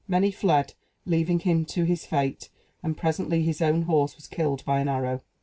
Many fled, leaving him to his fate; and presently his own horse was killed by an arrow.